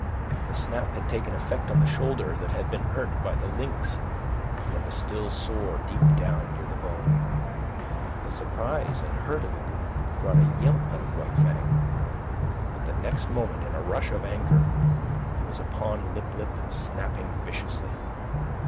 The snap had taken effect on the shoulder that had been hurt by the lynx and that was still sore deep down near the bone. The surprise and hurt of it brought a yelp out of White Fang; but the next moment, in a rush of anger, he was upon Lip lip and snapping viciously.